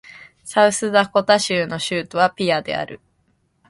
サウスダコタ州の州都はピアである